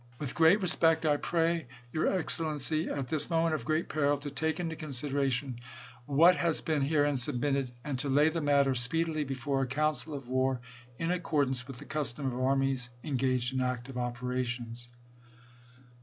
With great respect, I pray your Excellency, at this Js}^utii61 moment of great peril, to take into consideration what has been herein submitted, and to lay the matter speedily before a council of war, in accordance with the custom of armies engaged in active operations.